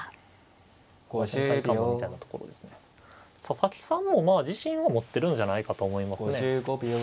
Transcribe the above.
佐々木さんもまあ自信を持ってるんじゃないかと思いますね。